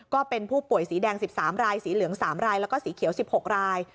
ก็เป็นผู้ป่วยสีแดง๑๓รายสีเหลือง๓รายแล้วก็สีเขียว๑๖ราย